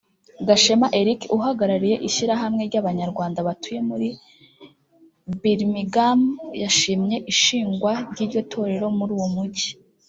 Gashema Eric uhagarariye Ishyirahamwe ry’Abanyarwanda batuye muri Birmingham yashimye ishingwa ry’iryo torero muri uwo mujyi